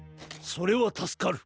それはたすかる！